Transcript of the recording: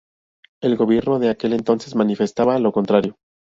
El gobierno de aquel entonces manifestaba lo contrario.